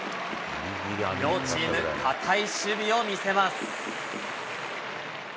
両チーム、堅い守備を見せます。